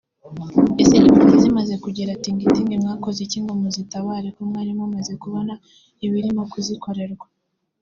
Ese impunzi zimaze kugera Tingitingi mwakoze iki ngo muzitabare ko mwari mumaze kubona ibirimo kuzikorerwa